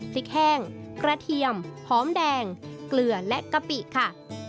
พริกแห้งกระเทียมหอมแดงเกลือและกะปิค่ะ